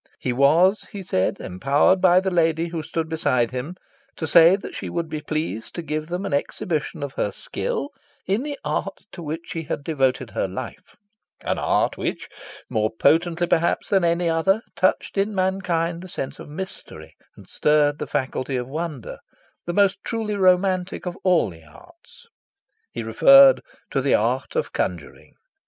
He was, he said, empowered by the lady who stood beside him to say that she would be pleased to give them an exhibition of her skill in the art to which she had devoted her life an art which, more potently perhaps than any other, touched in mankind the sense of mystery and stirred the faculty of wonder; the most truly romantic of all the arts: he referred to the art of conjuring.